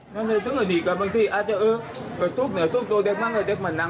ลุงไม่ใช่ญาติพี่น้องลุงไม่มีสิทธิ์จับลูกหลานใครทั้งนั้น